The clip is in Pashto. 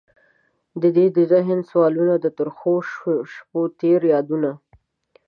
ددې د ذهن سوالونه، د ترخوشپوتیر یادونه